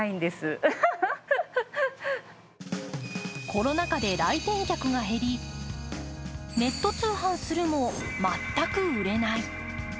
コロナ禍で来店客が減り、ネット通販するも全く売れない。